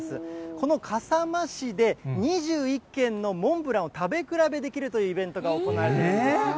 この笠間市で２１軒のモンブランを食べ比べできるというイベントが行われているんですね。